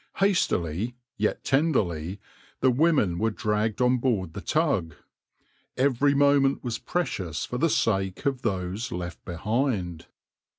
Hastily, yet tenderly, the women were dragged on board the tug. Every moment was precious for the sake of those left behind.